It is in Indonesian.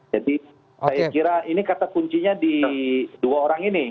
jadi saya kira ini kata kuncinya di dua orang ini